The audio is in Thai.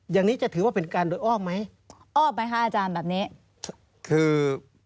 อย่างนี้จะถือว่าเป็นการโดยอ้อมไหมอ้อมไหมคะอาจารย์แบบนี้คือ